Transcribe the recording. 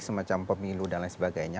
semacam pemilu dan lain sebagainya